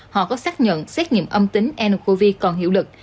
họ có xác nhận xét nghiệm âm tính ncov còn hiệu lực